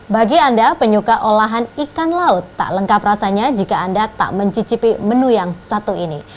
bagi anda penyuka olahan ikan laut tak lengkap rasanya jika anda tak mencicipi menu yang satu ini